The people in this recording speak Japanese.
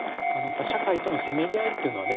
社会とのせめぎ合いというのはね